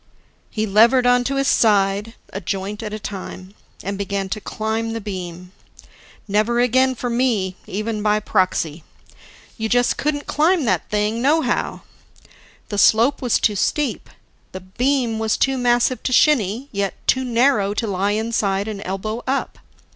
He levered onto his side, a joint at a time, and began to climb the beam. Never again for me, even by proxy! You just couldn't climb that thing nohow! The slope was too steep. The beam was too massive to shinny, yet too narrow to lie inside and elbow up.